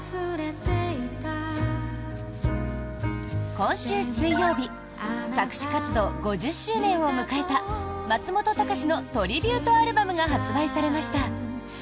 今週水曜日作詞活動５０周年を迎えた松本隆のトリビュートアルバムが発売されました。